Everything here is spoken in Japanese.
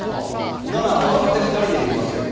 なら若手２人で行きますよ。